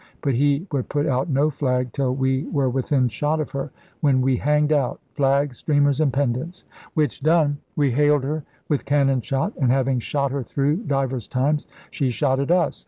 *But we would put out no flag till we were within shot of her, when we hanged out flags, streamers, and pendants. Which done, we 170 ELIZABETHAN SEA DOGS hailed her with cannon shot; and having shot her through divers times, she shot at us.